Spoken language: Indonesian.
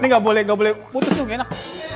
nih gak boleh gak boleh putus lu gak enak